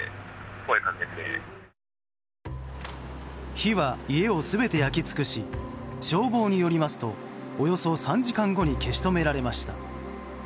火は家を全て焼き尽くし消防によりますとおよそ３時間後に消し止められました。